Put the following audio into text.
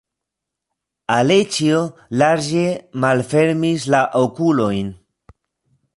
Aleĉjo larĝe malfermis la okulojn.